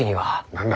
何だ？